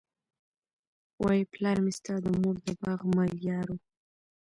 وايي پلار مي ستا د مور د باغ ملیار وو